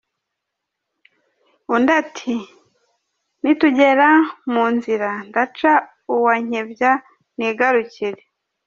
Undi ati "Nitugera mu nzira ndaca uwa Nkebya nigarukire.